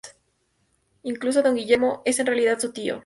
Incluso, don Guillermo es en realidad su tío.